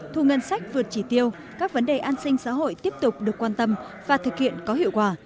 thu ngân sách vượt chỉ tiêu các vấn đề an sinh xã hội tiếp tục được quan tâm và thực hiện có hiệu quả